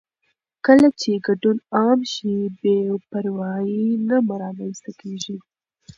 کله چې ګډون عام شي، بې پروايي نه رامنځته کېږي.